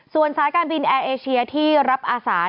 ส่วนสายการบินแอร์เอเชียที่รับอาสา